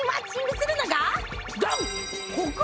ドン！